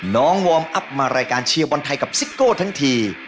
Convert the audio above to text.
วอร์มอัพมารายการเชียร์บอลไทยกับซิโก้ทั้งที